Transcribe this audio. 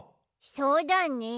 そうだね。